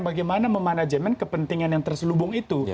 bagaimana memanajemen kepentingan yang terselubung itu